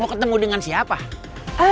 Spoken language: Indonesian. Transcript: mau ketemu dengan siapa